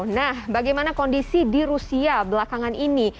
nah bagaimana kondisi di rusia belakangan ini